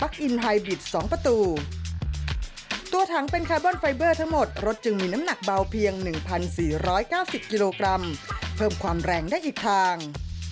กิโลกรัมเพิ่มความแรงได้อีกทาง